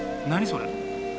それ。